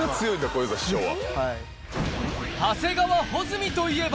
小遊三師匠は。